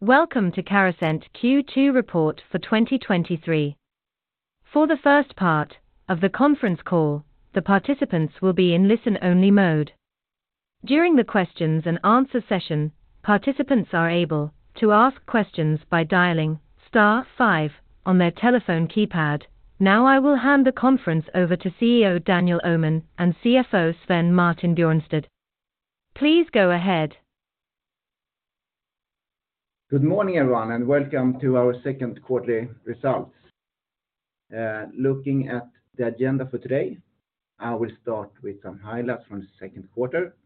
Welcome to Carasent Q2 report for 2023. For the first part of the conference call, the participants will be in listen-only mode. During the questions and answer session, participants are able to ask questions by dialing star five on their telephone keypad. Now, I will hand the conference over to CEO Daniel Öhman and CFO Svein Martin Bjørnstad. Please go ahead. Good morning, everyone, and welcome to our second quarterly results. Looking at the agenda for today, I will start with some highlights from the second quarter.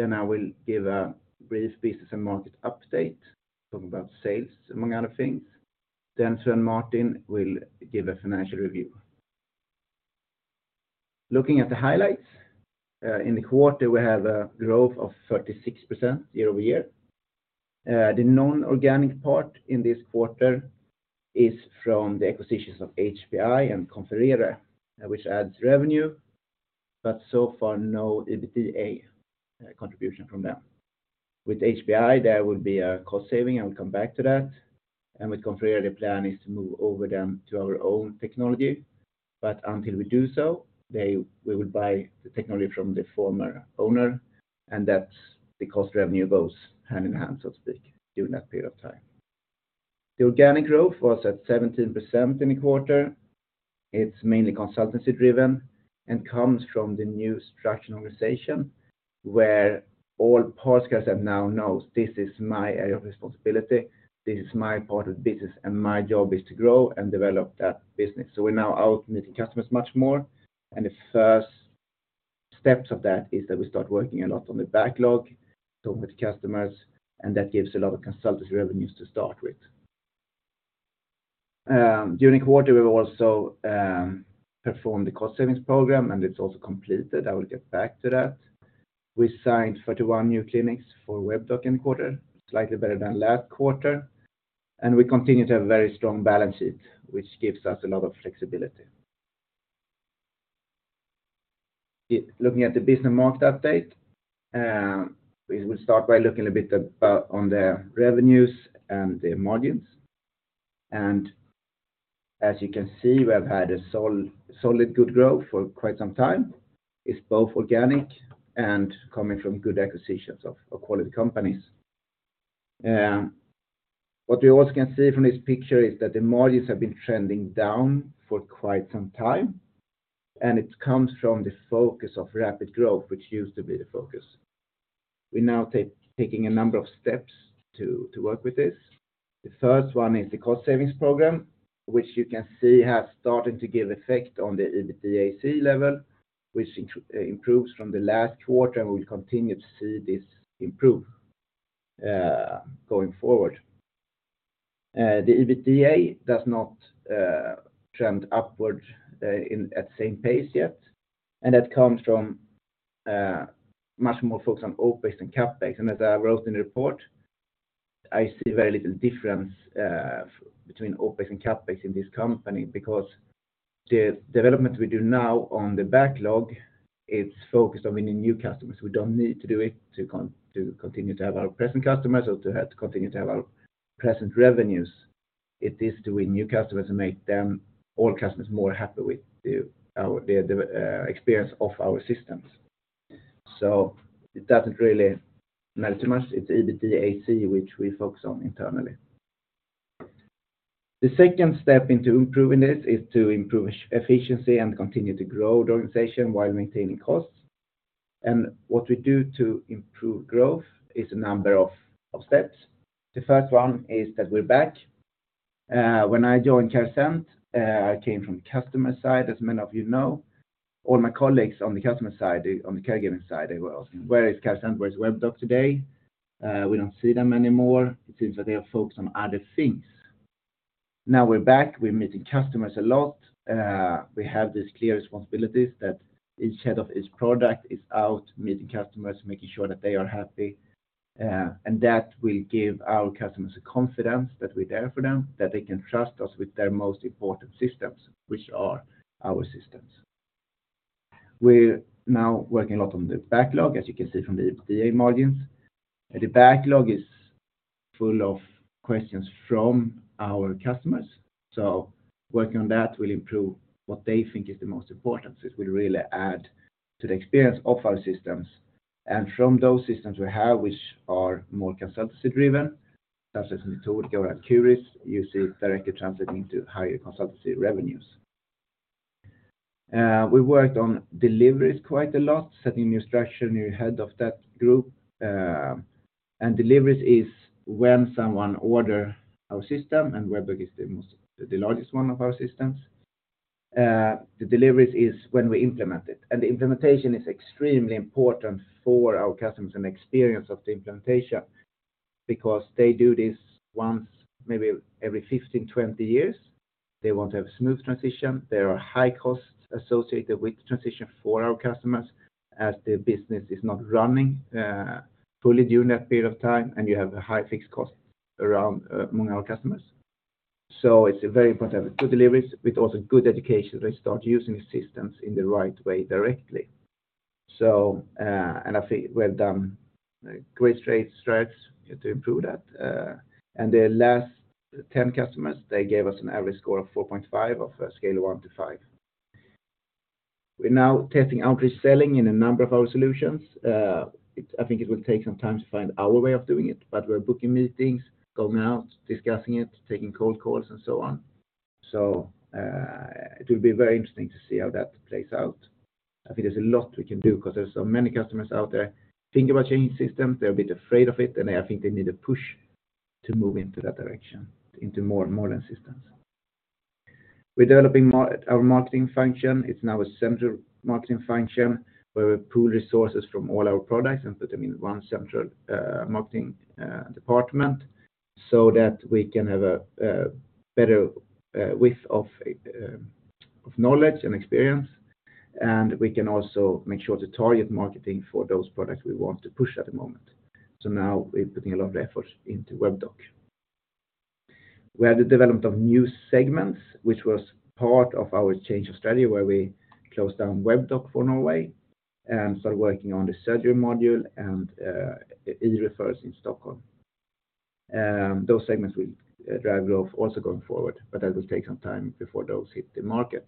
I will give a brief business and market update, talk about sales, among other things. Svein Martin will give a financial review. Looking at the highlights, in the quarter, we have a growth of 36% year-over-year. The non-organic part in this quarter is from the acquisitions of HPI and Confrere, which adds revenue, but so far, no EBITDA contribution from them. With HPI, there will be a cost saving. I will come back to that. With Confrere, the plan is to move over them to our own technology. Until we do so, they, we would buy the technology from the former owner, and that's the cost revenue goes hand in hand, so to speak, during that period of time. The organic growth was at 17% in the quarter. It's mainly consultancy-driven and comes from the new structure organization, where all parts, guys, have now knows this is my area of responsibility, this is my part of the business, and my job is to grow and develop that business. We're now out meeting customers much more, and the first steps of that is that we start working a lot on the backlog, talking with the customers, and that gives a lot of consultancy revenues to start with. During quarter, we've also performed the cost savings program, and it's also completed. I will get back to that. We signed 41 new clinics for Webdoc in the quarter, slightly better than last quarter. We continue to have a very strong balance sheet, which gives us a lot of flexibility. Looking at the business market update, we will start by looking a bit about on the revenues and the margins. As you can see, we have had a solid good growth for quite some time. It's both organic and coming from good acquisitions of quality companies. What we also can see from this picture is that the margins have been trending down for quite some time. It comes from the focus of rapid growth, which used to be the focus. We're now taking a number of steps to work with this. The first one is the cost savings program, which you can see has started to give effect on the EBITDAC level, which improves from the last quarter. We will continue to see this improve going forward. The EBITDA does not trend upward at the same pace yet. That comes from much more focus on OpEx and CapEx. As I wrote in the report, I see very little difference between OpEx and CapEx in this company, because the development we do now on the backlog, it's focused on winning new customers. We don't need to do it to continue to have our present customers or to continue to have our present revenues. It is to win new customers and make them, all customers, more happy with our experience of our systems. It doesn't really matter too much. It's EBITDAC, which we focus on internally. The second step into improving this is to improve efficiency and continue to grow the organization while maintaining costs. What we do to improve growth is a number of steps. The first one is that we're back. When I joined Carasent, I came from the customer side, as many of you know. All my colleagues on the customer side, on the caregiving side, they were asking, "Where is Carasent? Where is Webdoc today? We don't see them anymore. It seems that they are focused on other things." We're back. We're meeting customers a lot. We have these clear responsibilities that each head of each product is out meeting customers, making sure that they are happy, and that will give our customers the confidence that we're there for them, that they can trust us with their most important systems, which are our systems. We're now working a lot on the backlog, as you can see from the EBITDA margins. The backlog is full of questions from our customers, working on that will improve what they think is the most important. This will really add to the experience of our systems. From those systems we have, which are more consultancy-driven, such as Metodika and Ad Curis, you see it directly translating to higher consultancy revenues. We worked on deliveries quite a lot, setting new structure, new head of that group. Deliveries is when someone order our system, and Webdoc is the largest one of our systems. The deliveries is when we implement it, and the implementation is extremely important for our customers and experience of the implementation because they do this once maybe every 15, 20 years. They want to have smooth transition. There are high costs associated with the transition for our customers as the business is not running fully during that period of time, and you have a high fixed cost around among our customers. It's a very important to have good deliveries, with also good education, they start using the systems in the right way directly. And I think we have done great straight strides to improve that. The last 10 customers, they gave us an average score of 4.5 of a scale of one to five. We're now testing outreach selling in a number of our solutions. I think it will take some time to find our way of doing it, but we're booking meetings, going out, discussing it, taking cold calls, and so on. It will be very interesting to see how that plays out. I think there's a lot we can do because there's so many customers out there think about changing systems, they're a bit afraid of it, and I think they need a push to move into that direction, into more and more systems. We're developing our marketing function. It's now a central marketing function, where we pool resources from all our products and put them in one central marketing department, so that we can have a better width of knowledge and experience, and we can also make sure to target marketing for those products we want to push at the moment. Now we're putting a lot of effort into Webdoc. We have the development of new segments, which was part of our change of strategy, where we closed down Webdoc for Norway, started working on the surgery module and e-referrals in Stockholm. Those segments will drive growth also going forward, but that will take some time before those hit the market.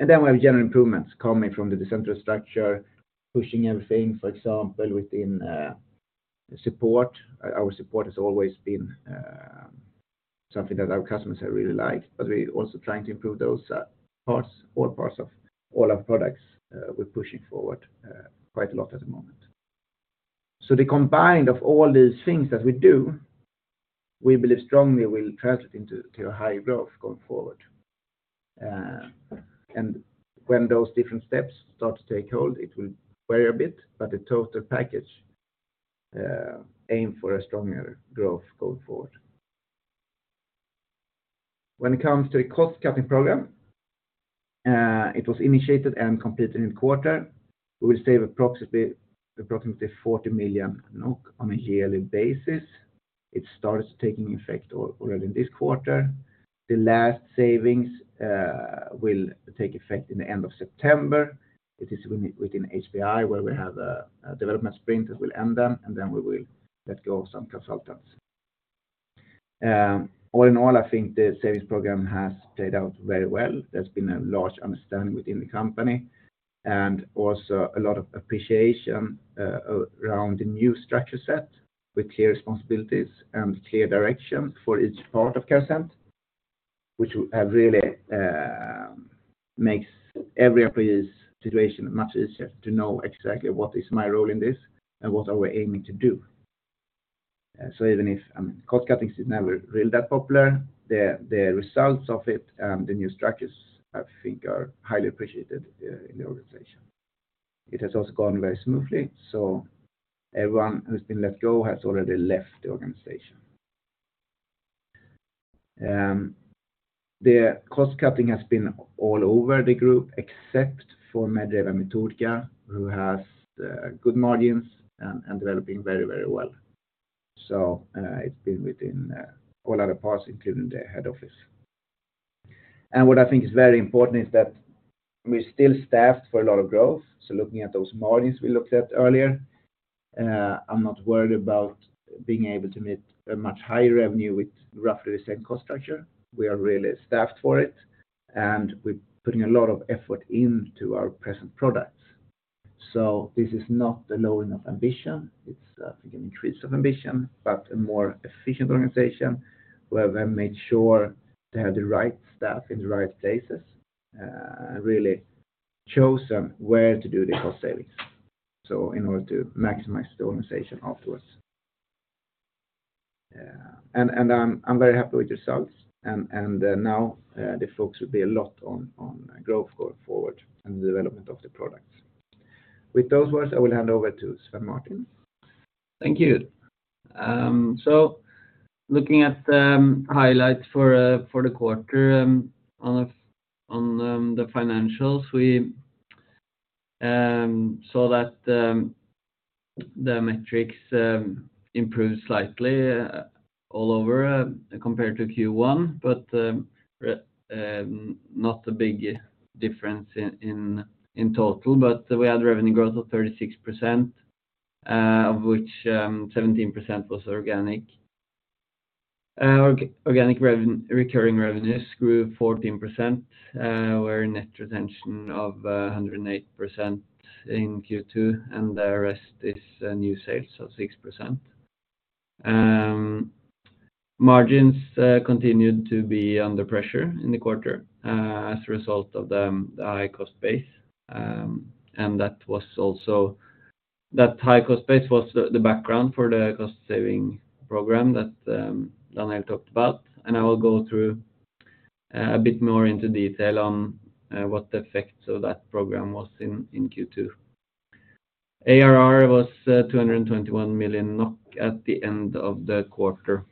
We have general improvements coming from the decentralized structure, pushing everything, for example, within support. Our support has always been something that our customers have really liked, but we're also trying to improve those parts, all parts of all our products, we're pushing forward quite a lot at the moment. The combined of all these things that we do, we believe strongly will translate into a high growth going forward. When those different steps start to take hold, it will vary a bit, but the total package aim for a stronger growth going forward. When it comes to the cost-cutting program, it was initiated and completed in quarter. We will save approximately 40 million on a yearly basis. It starts taking effect already this quarter. The last savings will take effect in the end of September. It is within HPI, where we have a development sprint that will end then, and then we will let go of some consultants. All in all, I think the savings program has played out very well. There's been a large understanding within the company, and also a lot of appreciation around the new structure set, with clear responsibilities and clear direction for each part of Carasent, which will have really makes every employee's situation much easier to know exactly what is my role in this and what are we aiming to do. Even if cost-cutting is never really that popular, the results of it and the new structures, I think, are highly appreciated in the organization. It has also gone very smoothly, so everyone who's been let go has already left the organization. The cost cutting has been all over the group, except for Metodika, who has good margins and developing very well. It's been within all other parts, including the head office. What I think is very important is that we're still staffed for a lot of growth. Looking at those margins we looked at earlier, I'm not worried about being able to meet a much higher revenue with roughly the same cost structure. We are really staffed for it, and we're putting a lot of effort into our present products. This is not the lowering of ambition, it's, I think, an increase of ambition, but a more efficient organization, where we have made sure to have the right staff in the right places, really chosen where to do the cost savings, in order to maximize the organization afterwards. I'm very happy with the results, and, now, the focus will be a lot on growth going forward and the development of the products. With those words, I will hand over to Svein Martin. Thank you. Looking at the highlights for the quarter on the financials, we saw that the metrics improved slightly all over compared to Q1. Not a big difference in total. We had a revenue growth of 36% of which 17% was organic. Organic recurring revenues grew 14% where net retention of 108% in Q2. The rest is new sales, so 6%. Margins continued to be under pressure in the quarter as a result of the high cost base. That high cost base was the background for the cost saving program that Daniel talked about, and I will go through a bit more into detail on what the effects of that program was in Q2. ARR was 221 million NOK at the end of the quarter.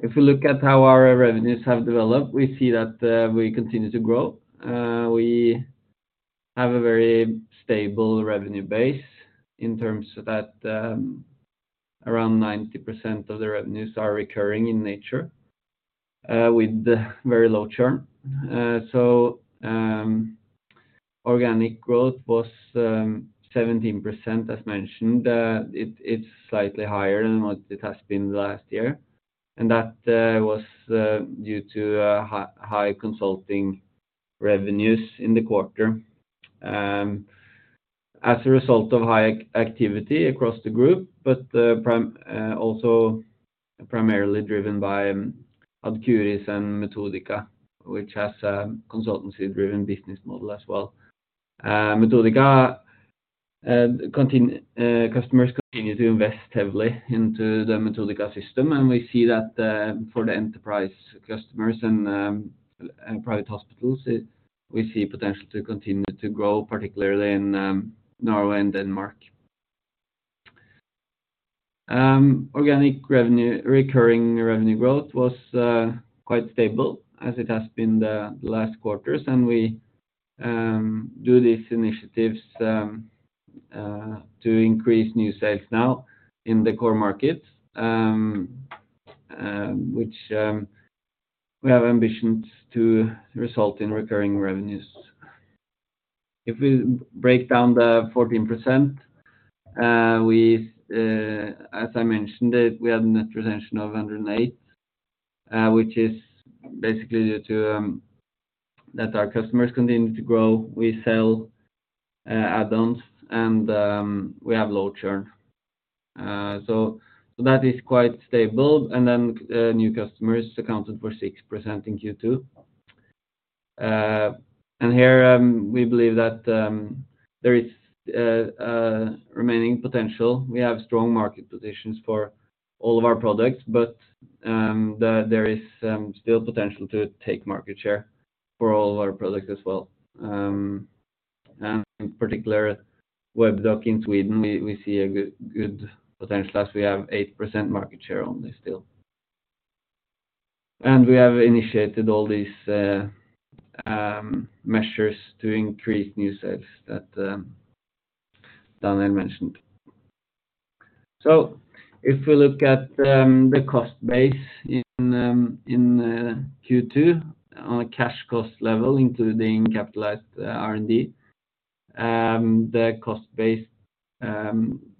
If we look at how our revenues have developed, we see that we continue to grow. We have a very stable revenue base in terms of that, around 90% of the revenues are recurring in nature with the very low churn. Organic growth was 17%, as mentioned. It's slightly higher than what it has been last year, and that was due to high consulting revenues in the quarter. As a result of high activity across the group, but also primarily driven by Ad Curis and Metodika, which has a consultancy-driven business model as well. Metodika, customers continue to invest heavily into the Metodika system, and we see that for the enterprise customers and private hospitals, we see potential to continue to grow, particularly in Norway and Denmark. Organic revenue, recurring revenue growth was quite stable, as it has been the last quarters. We do these initiatives to increase new sales now in the core markets, which we have ambitions to result in recurring revenues. If we break down the 14%, as I mentioned, we have a net retention of 108, which is basically due to that our customers continue to grow. We sell add-ons, and we have low churn. That is quite stable, and then new customers accounted for 6% in Q2. Here, we believe that there is remaining potential. We have strong market positions for all of our products, but there is still potential to take market share for all of our products as well. In particular, Webdoc in Sweden, we see good potential, as we have 8% market share on this still. We have initiated all these measures to increase new sales that Daniel mentioned. If we look at the cost base in Q2, on a cash cost level, including capitalized R&D, the cost base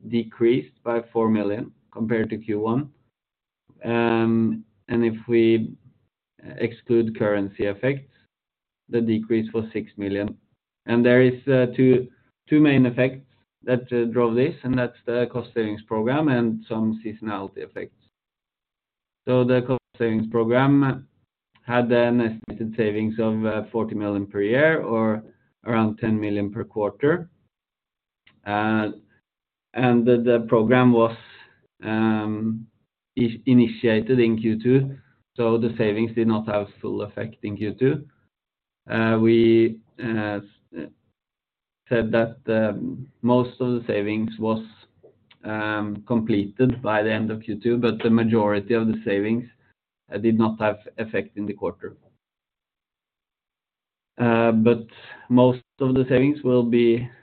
decreased by 4 million compared to Q1. If we exclude currency effects, the decrease was 6 million. There is two main effects that drove this, and that's the cost savings program and some seasonality effects. The cost savings program had an estimated savings of 40 million per year or around 10 million per quarter. The program was initiated in Q2, so the savings did not have full effect in Q2. We said that most of the savings was completed by the end of Q2, but the majority of the savings did not have effect in the quarter. Most of the savings will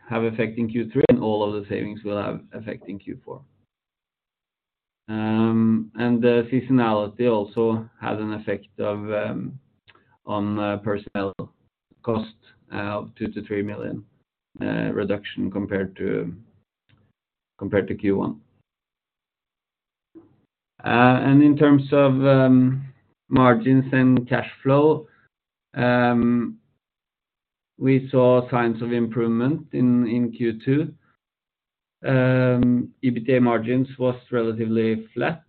have effect in Q3, and all of the savings will have effect in Q4. The seasonality also has an effect on personnel cost of 2 million-3 million reduction compared to Q1. In terms of margins and cash flow, we saw signs of improvement in Q2. EBITDA margins was relatively flat,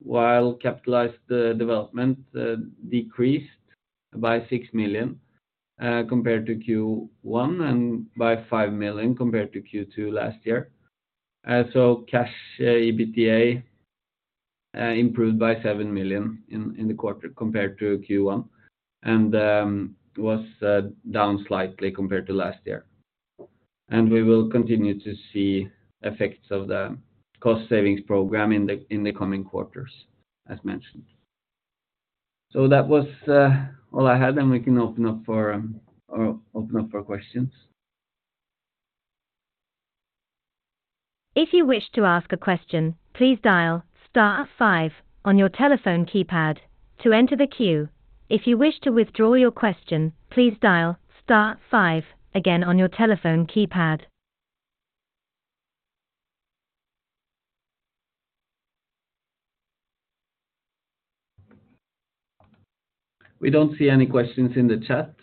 while capitalized development decreased by 6 million compared to Q1, and by 5 million compared to Q2 last year. Cash EBITDA improved by 7 million in the quarter compared to Q1, and was down slightly compared to last year. We will continue to see effects of the cost savings program in the coming quarters, as mentioned. That was all I had, and we can open up for questions. If you wish to ask a question, please dial star five on your telephone keypad to enter the queue. If you wish to withdraw your question, please dial star five again on your telephone keypad. We don't see any questions in the chat.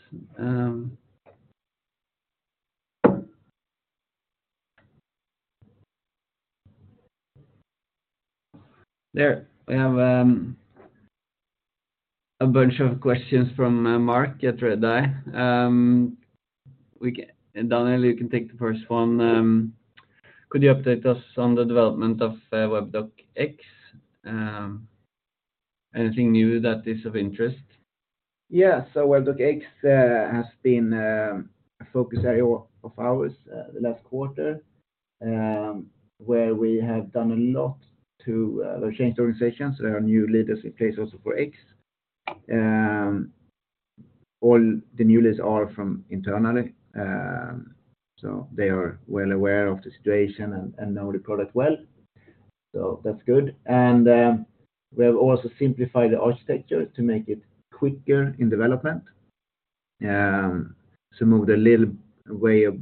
There, we have a bunch of questions from Mark at Redeye. Daniel, you can take the first one. Could you update us on the development of Webdoc X? Anything new that is of interest? Webdoc X has been a focus area of ours the last quarter where we have done a lot to change the organization. There are new leaders in place also for X. ... all the new leads are from internally, so they are well aware of the situation and know the product well. That's good. We have also simplified the architecture to make it quicker in development. Moved a little way, a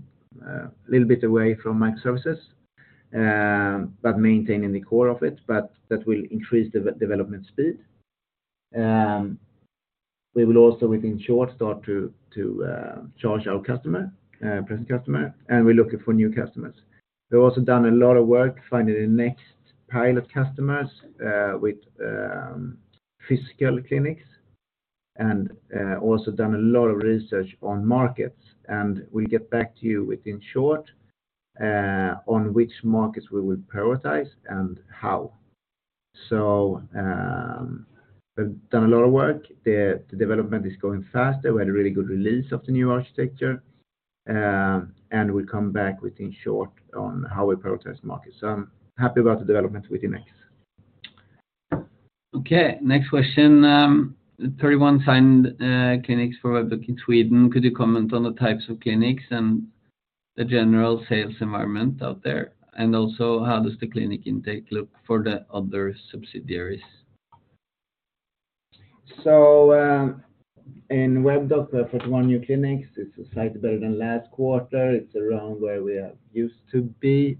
little bit away from microservices, but maintaining the core of it, but that will increase the development speed. We will also, within short, start to charge our customer, present customer, and we're looking for new customers. We've also done a lot of work finding the next pilot customers with physical clinics, also done a lot of research on markets. We'll get back to you within short on which markets we will prioritize and how. We've done a lot of work. The development is going faster. We had a really good release of the new architecture, and we'll come back within short on how we prioritize markets. I'm happy about the development within Next. Okay, next question. 41 signed clinics for Webdoc in Sweden. Could you comment on the types of clinics and the general sales environment out there? How does the clinic intake look for the other subsidiaries? In Webdoc, 41 new clinics, it's slightly better than last quarter. It's around where we are used to be.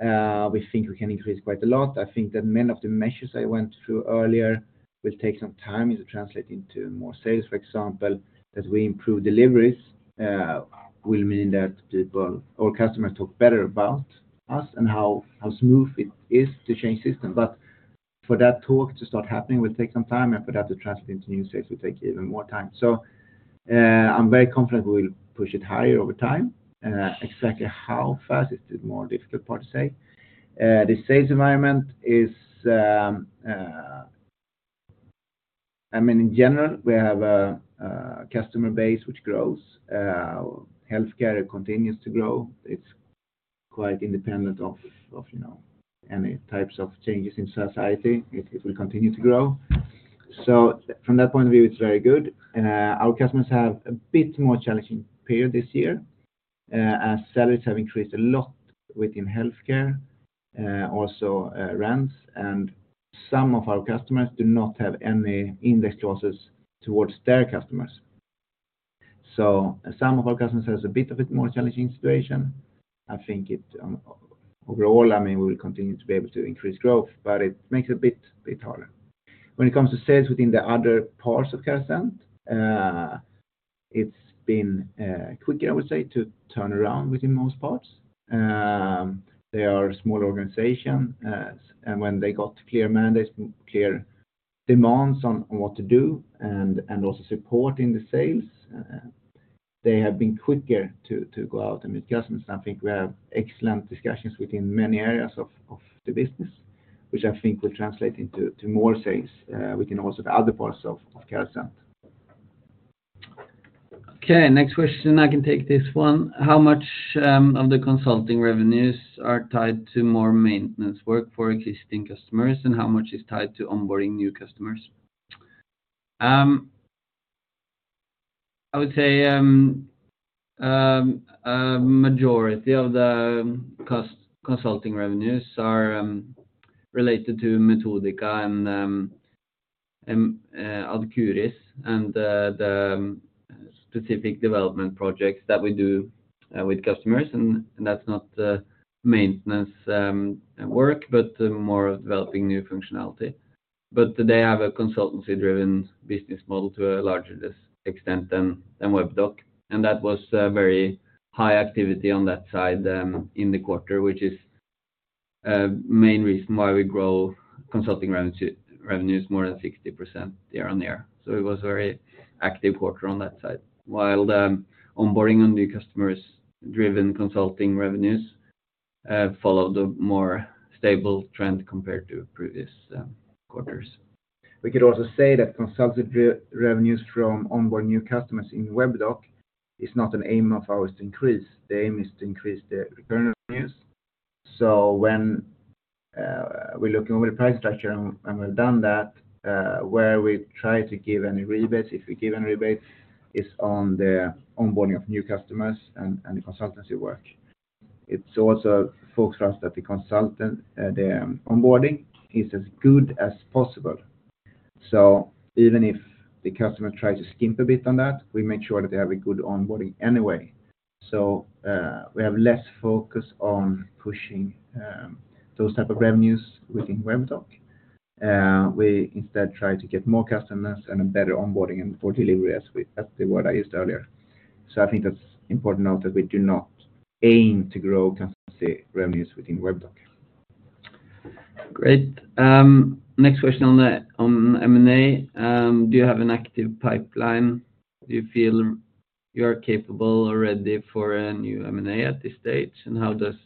We think we can increase quite a lot. I think that many of the measures I went through earlier will take some time to translate into more sales. For example, as we improve deliveries, will mean that people or customers talk better about us and how smooth it is to change system. For that talk to start happening, will take some time, and for that to translate into new sales will take even more time. I'm very confident we will push it higher over time. Exactly how fast, it's the more difficult part to say. The sales environment is, I mean, in general, we have a customer base which grows, healthcare continues to grow. It's quite independent of, you know, any types of changes in society. It will continue to grow. From that point of view, it's very good. Our customers have a bit more challenging period this year, as salaries have increased a lot within healthcare, also, rents, and some of our customers do not have any index clauses towards their customers. Some of our customers has a bit of a more challenging situation. I think it, overall, I mean, we will continue to be able to increase growth, but it makes it a bit harder. When it comes to sales within the other parts of Carasent, it's been quicker, I would say, to turn around within most parts. They are a small organization, and when they got clear mandates, clear demands on what to do, and also support in the sales, they have been quicker to go out and meet customers. I think we have excellent discussions within many areas of the business, which I think will translate into more sales, within also the other parts of Carasent. Okay, next question. I can take this one. How much of the consulting revenues are tied to more maintenance work for existing customers, and how much is tied to onboarding new customers? I would say a majority of the consulting revenues are related to Metodika and Ad Curis, and the specific development projects that we do with customers, and that's not maintenance work, but more of developing new functionality. They have a consultancy-driven business model to a larger extent than Webdoc, and that was a very high activity on that side in the quarter, which is main reason why we grow consulting revenues more than 60% year-on-year. It was very active quarter on that side. While the onboarding on new customers driven consulting revenues, followed a more stable trend compared to previous quarters. We could also say that consultancy revenues from onboard new customers in Webdoc is not an aim of ours to increase. The aim is to increase the return revenues. When we look over the price structure, and we've done that, where we try to give any rebates, if we give any rebate, is on the onboarding of new customers and the consultancy work. It's also focus on that the consultant the onboarding is as good as possible. Even if the customer tries to skimp a bit on that, we make sure that they have a good onboarding anyway. We have less focus on pushing those type of revenues within Webdoc. We instead try to get more customers and a better onboarding and for delivery as the word I used earlier. I think that's important to note that we do not aim to grow consultancy revenues within Webdoc. Great. Next question on M&A. Do you have an active pipeline? Do you feel you are capable already for a new M&A at this stage? How does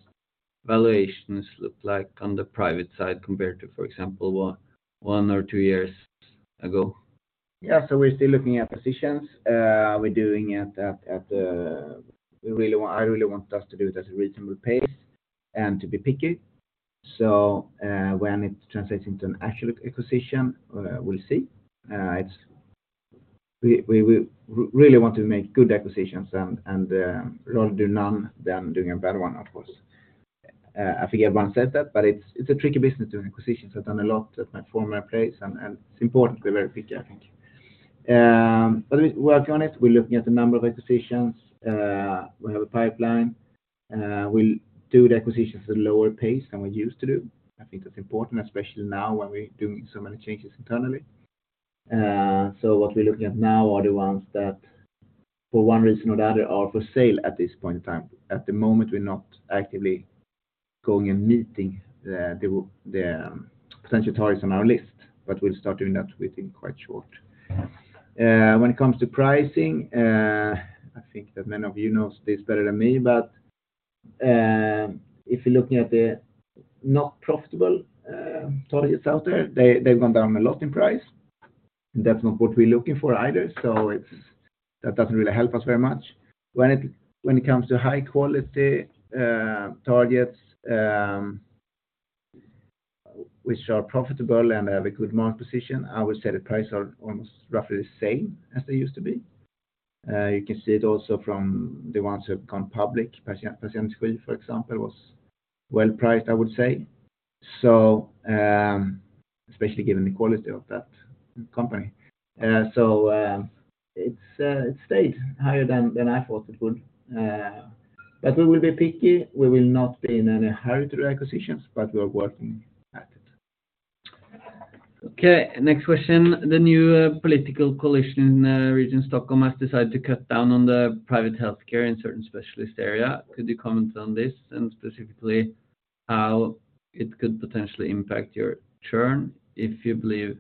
valuations look like on the private side compared to, for example, one or two years ago? We're still looking at positions. We're doing it at I really want us to do it at a reasonable pace and to be picky. When it translates into an actual acquisition, we'll see. We really want to make good acquisitions and rather do none than doing a bad one, of course. I forget who once said that, but it's a tricky business doing acquisitions. I've done a lot at my former place, and it's important to be very picky, I think. We work on it. We're looking at a number of acquisitions. We have a pipeline. We do the acquisitions at a lower pace than we used to do. I think that's important, especially now, when we're doing so many changes internally. What we're looking at now are the ones that, for one reason or another, are for sale at this point in time. At the moment, we're not actively going and meeting the potential targets on our list. We'll start doing that within quite short. When it comes to pricing, I think that many of you knows this better than me. If you're looking at the not profitable targets out there, they've gone down a lot in price. That's not what we're looking for either. That doesn't really help us very much. When it comes to high quality targets, which are profitable and have a good market position, I would say the prices are almost roughly the same as they used to be. You can see it also from the ones who have gone public. PatientSky, for example, was well-priced, I would say. Especially given the quality of that company. It's, it stayed higher than I thought it would. We will be picky. We will not be in any hurried acquisitions, but we are working at it. Okay, next question. The new political coalition in Region Stockholm has decided to cut down on the private healthcare in certain specialist area. Could you comment on this, and specifically how it could potentially impact your churn, if you believe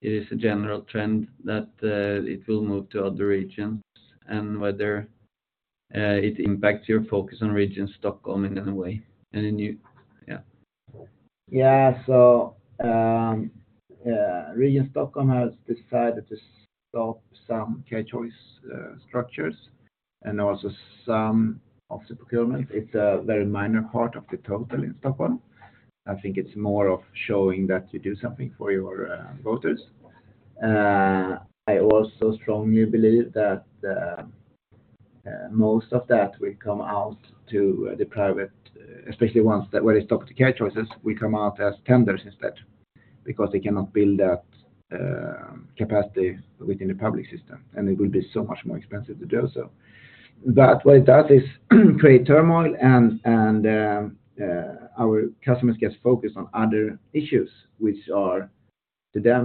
it is a general trend that it will move to other regions, and whether it impacts your focus on Region Stockholm in any way? Yeah. Region Stockholm has decided to stop some Care Choices structures and also some of the procurement. It's a very minor part of the total in Stockholm. I think it's more of showing that you do something for your voters. I also strongly believe that most of that will come out to the private, especially ones that, where it's doctor Care Choices, will come out as tenders instead, because they cannot build that capacity within the public system, and it will be so much more expensive to do so. But what it does is create turmoil, and our customers get focused on other issues which are to them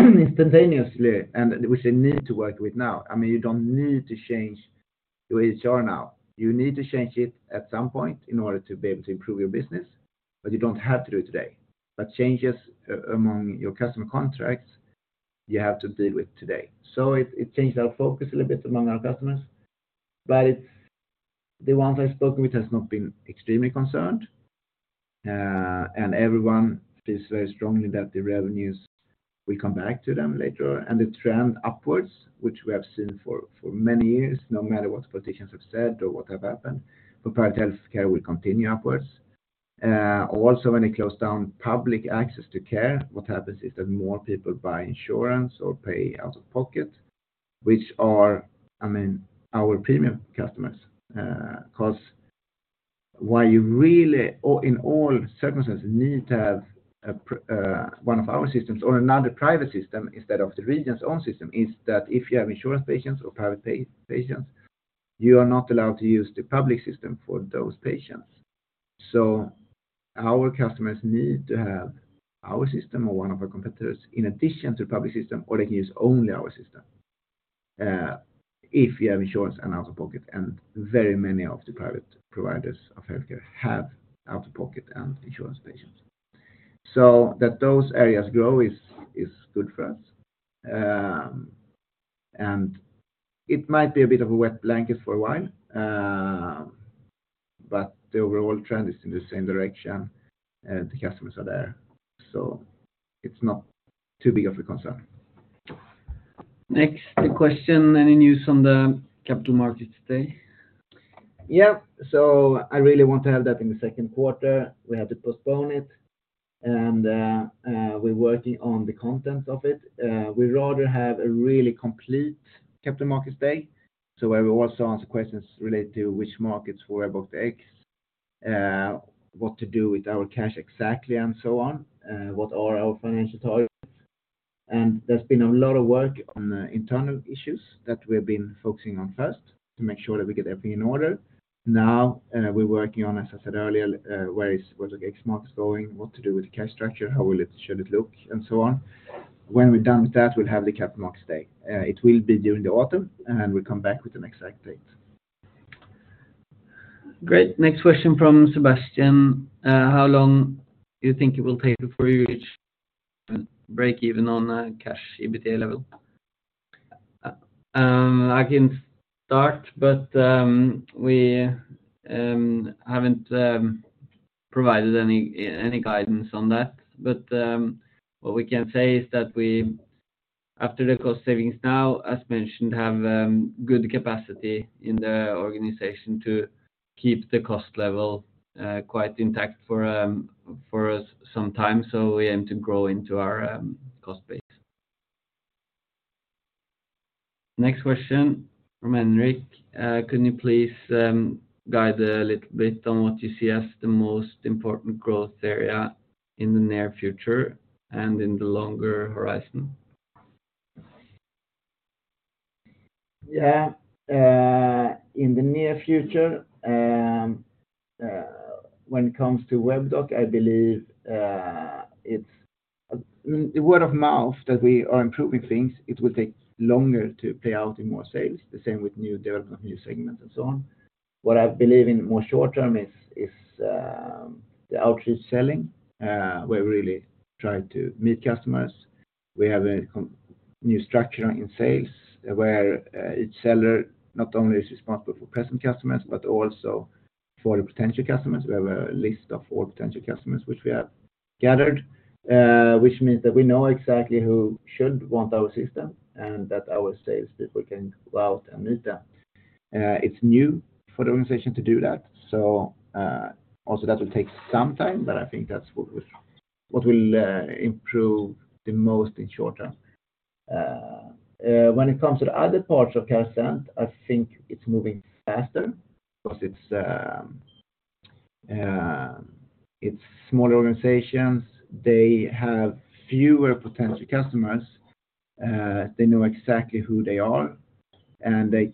instantaneously, and which they need to work with now. I mean, you don't need to change your HR now. You need to change it at some point in order to be able to improve your business, but you don't have to do it today. Changes among your customer contracts, you have to deal with today. It changed our focus a little bit among our customers, but the ones I've spoken with has not been extremely concerned, and everyone feels very strongly that the revenues will come back to them later. The trend upwards, which we have seen for many years, no matter what politicians have said or what have happened, for private healthcare will continue upwards. Also, when they close down public access to care, what happens is that more people buy insurance or pay out of pocket, which are, I mean, our premium customers. 'Cause why you really, in all circumstances, need to have one of our systems or another private system instead of the region's own system, is that if you have insurance patients or private patients, you are not allowed to use the public system for those patients. Our customers need to have our system or one of our competitors' in addition to the public system, or they can use only our system, if you have insurance and out-of-pocket, and very many of the private providers of healthcare have out-of-pocket and insurance patients. That those areas grow is good for us. It might be a bit of a wet blanket for a while, but the overall trend is in the same direction, and the customers are there, so it's not too big of a concern. Next question: Any news on the Capital Markets Day? Yeah. I really want to have that in the 2nd quarter. We had to postpone it, and we're working on the contents of it. We'd rather have a really complete Capital Markets Day, so where we also answer questions related to which markets we're about to exit, what to do with our cash exactly, and so on, what are our financial targets. There's been a lot of work on the internal issues that we've been focusing on first to make sure that we get everything in order. Now, we're working on, as I said earlier, where the X market is going, what to do with the cash structure, how should it look, and so on. When we're done with that, we'll have the Capital Markets Day. It will be during the autumn, and we'll come back with an exact date. Great. Next question from Sebastian: How long do you think it will take before you each break even on a cash EBITDA level? I can start, but we haven't provided any guidance on that. What we can say is that after the cost savings now, as mentioned, have good capacity in the organization to keep the cost level quite intact for us sometime. We aim to grow into our cost base. Next question from Henrik. Can you please guide a little bit on what you see as the most important growth area in the near future and in the longer horizon? Yeah, in the near future, when it comes to Webdoc, I believe it's the word of mouth that we are improving things, it will take longer to play out in more sales, the same with new development, new segments, and so on. What I believe in more short term is the outreach selling, where we really try to meet customers. We have a new structure in sales, where each seller not only is responsible for present customers, but also for the potential customers. We have a list of all potential customers, which we have gathered, which means that we know exactly who should want our system, and that our sales people can go out and meet them. It's new for the organization to do that, so also that will take some time, but I think that's what will improve the most in short term. When it comes to the other parts of Carasent, I think it's moving faster because it's small organizations. They have fewer potential customers, they know exactly who they are, and they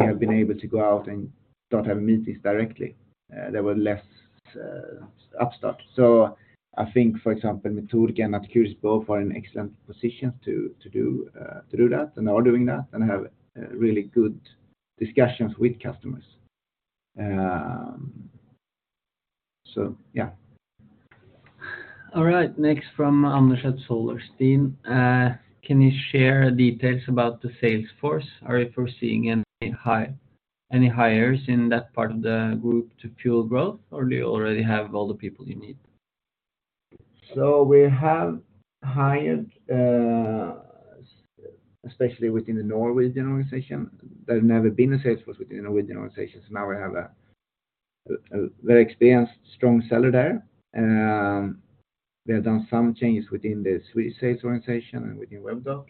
have been able to go out and start having meetings directly. There were less upstart. I think, for example, Mitur and Ad Curis both are in excellent positions to do, to do that, and are doing that, and have really good discussions with customers. Yeah. All right, next from Anders at Solerstein. Can you share details about the sales force? Are you foreseeing any hires in that part of the group to fuel growth, or do you already have all the people you need? We have hired, especially within the Norwegian organization. There's never been a sales force within the Norwegian organization, so now we have a very experienced, strong seller there. We have done some changes within the Swedish sales organization and within Webdoc,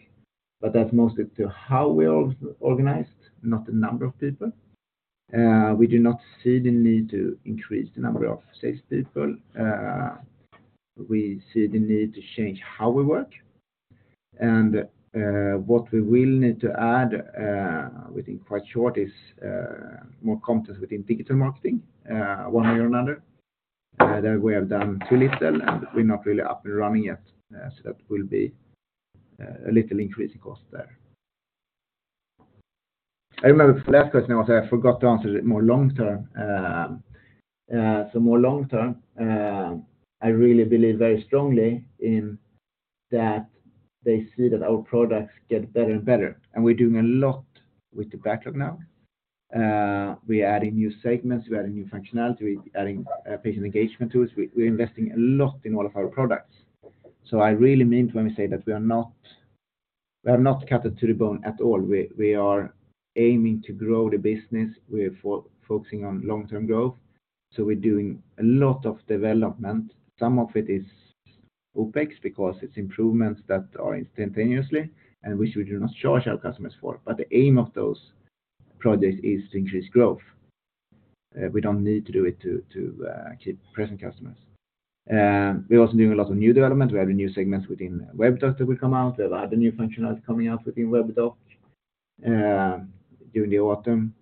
but that's mostly to how we are organized, not the number of people. We do not see the need to increase the number of sales people. We see the need to change how we work, and what we will need to add within quite short is more competence within digital marketing, one way or another. There we have done too little, and we're not really up and running yet, so that will be a little increase in cost there. I remember for the last question, I forgot to answer it more long term. More long term, I really believe very strongly in that they see that our products get better and better, and we're doing a lot with the backlog now. We're adding new segments, we're adding new functionality, we're adding patient engagement tools. We're investing a lot in all of our products. I really mean it when we say that we are not cut it to the bone at all. We are aiming to grow the business, we are focusing on long-term growth, so we're doing a lot of development. Some of it is OpEx because it's improvements that are instantaneously, and which we do not charge our customers for, but the aim of those projects is to increase growth. We don't need to do it to keep present customers. We're also doing a lot of new development. We have a new segment within Webdoc that will come out. We have other new functionality coming out within Webdoc during the autumn.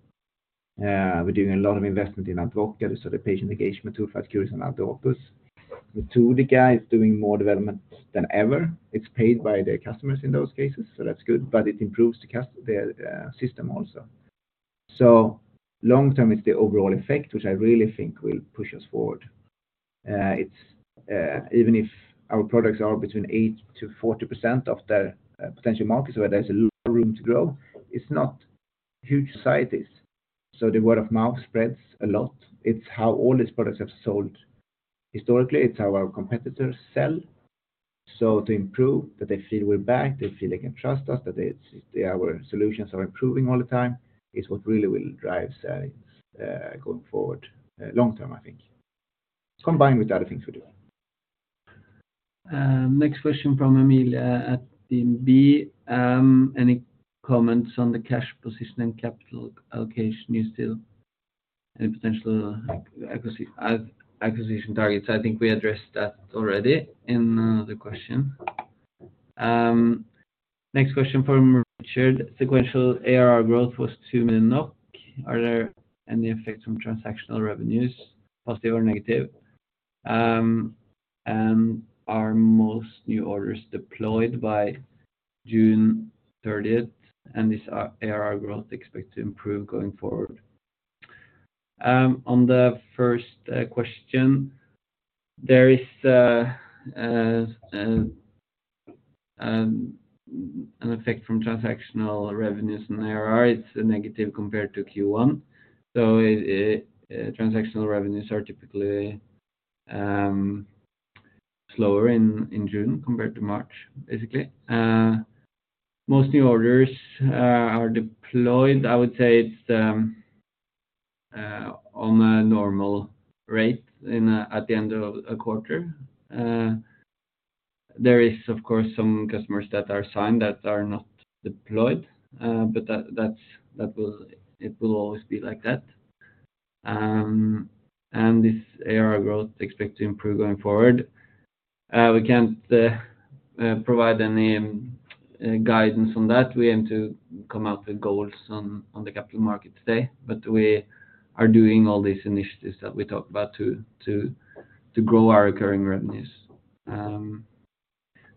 We're doing a lot of investment in Ad Voca, the sort of patient engagement tool for Ad Curis and Ad Opus. Mitur is doing more development than ever. It's paid by their customers in those cases, so that's good, but it improves the system also. Long term, it's the overall effect, which I really think will push us forward. It's even if our products are between 8%-40% of the potential market, so there's a lot of room to grow, it's not huge societies, so the word of mouth spreads a lot. It's how all these products have sold. Historically, it's how our competitors sell. To improve, that they feel we're back, they feel they can trust us, that our solutions are improving all the time, is what really will drive sales, going forward, long term, I think, combined with the other things we're doing. Next question from Emil at DNB. Any comments on the cash position and capital allocation you still any potential acquisition targets? I think we addressed that already in another question. Next question from Richard. Sequential ARR growth was NOK 2 million. Are there any effects from transactional revenues, positive or negative? Are most new orders deployed by June 30th, and is our ARR growth expected to improve going forward? On the first question, there is an effect from transactional revenues in ARR. It's negative compared to Q1. It transactional revenues are typically slower in June compared to March, basically. Most new orders are deployed. I would say it's on a normal rate at the end of a quarter. There is, of course, some customers that are signed that are not deployed, but that's, it will always be like that. This ARR growth expect to improve going forward. We can't provide any guidance on that. We aim to come out with goals on the capital market today, but we are doing all these initiatives that we talked about to grow our occurring revenues.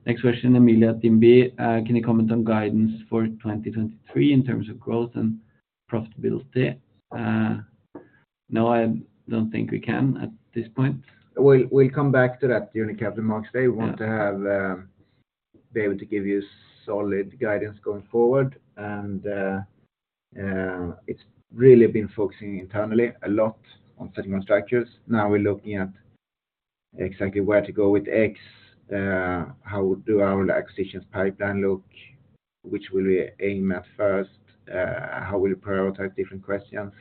Next question, Emil at DNB. Can you comment on guidance for 2023 in terms of growth and profitability? No, I don't think we can at this point. We'll come back to that during the Capital Markets Day. Yeah. We want to have, be able to give you solid guidance going forward. It's really been focusing internally a lot on setting on structures. Now we're looking at exactly where to go with X, how do our acquisitions pipeline look? Which will we aim at first? How will we prioritize different questions?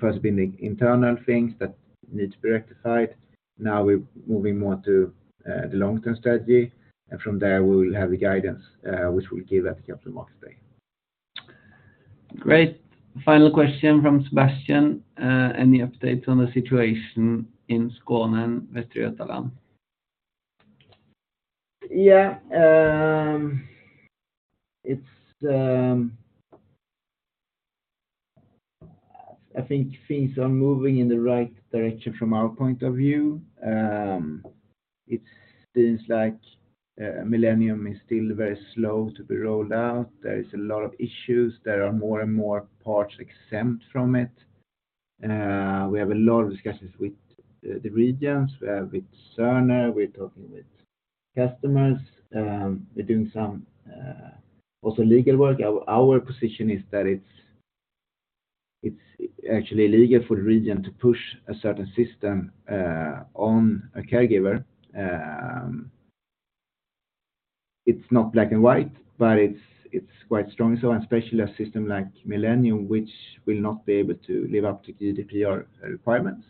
First, being the internal things that need to be rectified. Now we're moving more to the long-term strategy. From there, we will have the guidance, which we'll give at the Capital Markets Day. Great. Final question from Sebastian. Any updates on the situation in Skåne and Västra Götaland? Yeah, it's I think things are moving in the right direction from our point of view. It seems like Millennium is still very slow to be rolled out. There is a lot of issues, there are more and more parts exempt from it. We have a lot of discussions with the regions, with Cerner, we're talking with customers, we're doing some also legal work. Our position is that it's actually illegal for the region to push a certain system on a caregiver. It's not black and white, but it's quite strong. Especially a system like Millennium, which will not be able to live up to GDPR requirements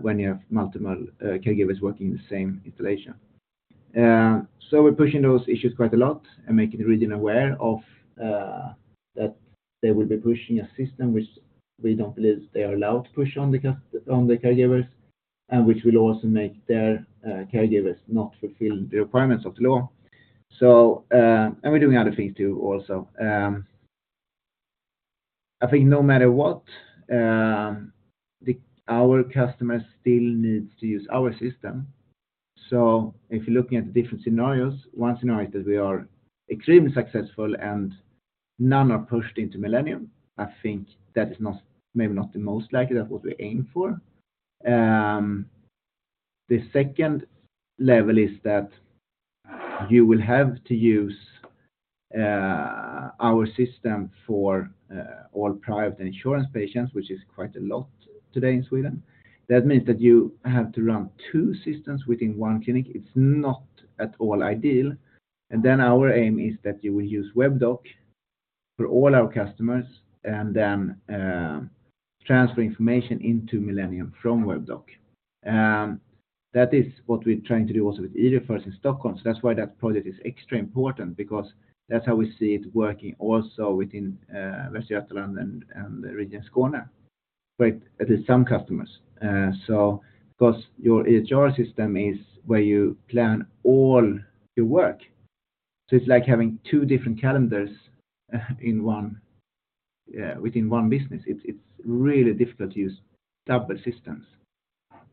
when you have multiple caregivers working in the same installation. We're pushing those issues quite a lot and making the region aware of that they will be pushing a system, which we don't believe they are allowed to push on the caregivers, and which will also make their caregivers not fulfill the requirements of the law. We're doing other things, too, also. I think no matter what, our customers still needs to use our system. If you're looking at the different scenarios, one scenario is that we are extremely successful and none are pushed into Millennium. I think that is not, maybe not the most likely, that what we aim for. The second level is that you will have to use our system for all private insurance patients, which is quite a lot today in Sweden. That means that you have to run two systems within one clinic. It's not at all ideal. Our aim is that you will use Webdoc for all our customers, and then, transfer information into Millennium from Webdoc. That is what we're trying to do also with Orrefors in Stockholm. That's why that project is extra important, because that's how we see it working also within Västra Götaland and the region Skåne. At least some customers, because your HR system is where you plan all your work, so it's like having two different calendars in one within one business. It's really difficult to use double systems,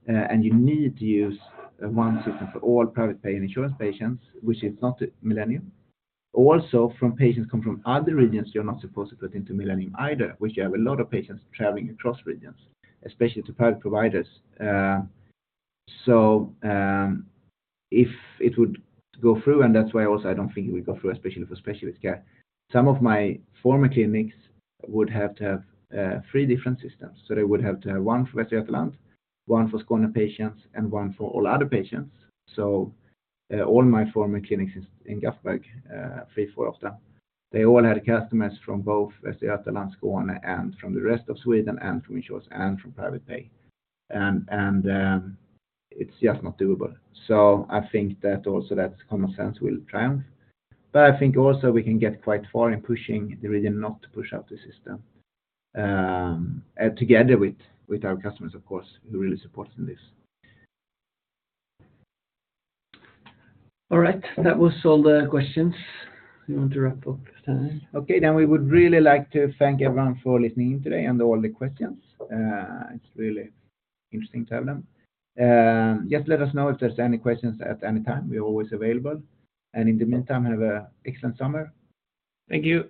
and you need to use one system for all private pay and insurance patients, which is not Millennium. Also, from patients come from other regions, you're not supposed to put into Millennium either, which you have a lot of patients traveling across regions, especially to private providers. If it would go through, and that's why also I don't think it would go through, especially for specialist care. Some of my former clinics would have to have three different systems. They would have to have one for Västra Götaland, one for Skåne patients, and one for all other patients. All my former clinics in Gaffberg, three, four of them, they all had customers from both Västra Götaland, Skåne, and from the rest of Sweden, and from insurance, and from private pay. It's just not doable. I think that also that common sense will triumph. I think also we can get quite far in pushing the region not to push out the system, together with our customers, of course, who are really supporting this. All right, that was all the questions. We want to wrap up time. Okay, we would really like to thank everyone for listening in today and all the questions. It's really interesting to have them. Just let us know if there's any questions at any time. We're always available, and in the meantime, have a excellent summer. Thank you.